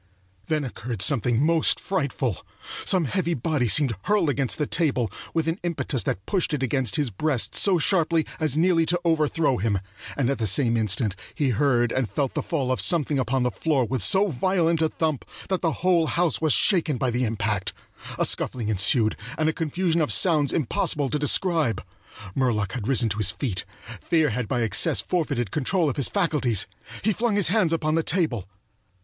Then occurred something most frightful. Some heavy body seemed hurled against the table with an impetus that pushed it against his breast so sharply as nearly to overthrow him, and at the same instant he heard and felt the fall of something upon the floor with so violent a thump that the whole house was shaken by the impact. A scuffling ensued, and a confusion of sounds impossible to describe. Murlock had risen to his feet. Fear had by excess forfeited control of his faculties. He flung his hands upon the table.